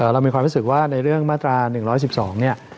เรามีความรู้สึกว่าในเรื่องมาตรา๑๑๒เนี่ย